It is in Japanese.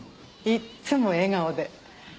いつも笑顔で。